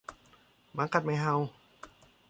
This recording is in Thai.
หมากัดไม่เห่า